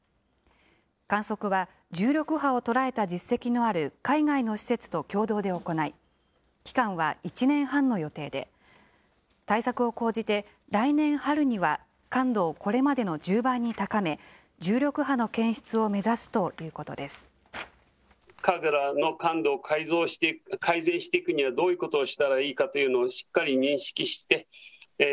観測は重力波を捉えた実績のある海外の施設と共同で行い、期間は１年半の予定で、対策を講じて来年春には感度をこれまでの１０倍に高め、重力波の検出を目指すということです。